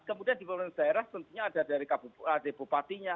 kemudian di pemerintah daerah tentunya ada dari bupatinya